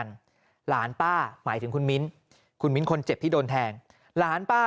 หลานป้าหมายถึงคุณมิ้นคุณมิ้นคนเจ็บที่โดนแทงหลานป้า